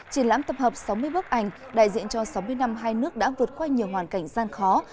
triển lãm tập hợp sáu mươi bức ảnh đại diện cho sáu mươi năm hai nước đã vượt qua nhiều hoàn cảnh gian khó